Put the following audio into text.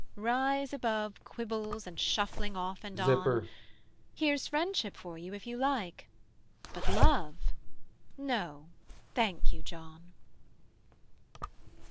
Rise above Quibbles and shuffling off and on: Here's friendship for you if you like; but love, No, thank you, John.